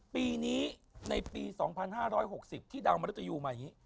ปีนี้ในปี๒๕๖๐ที่ดาวมริตยูมาอย่างนี้